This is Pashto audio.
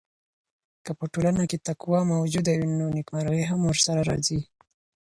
که په ټولنه کي تقوی موجوده وي نو نېکمرغي هم ورسره راځي.